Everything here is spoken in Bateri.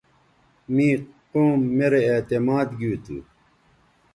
می قوم میرے اعتماد گیوتھو